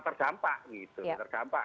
terdampak gitu terdampak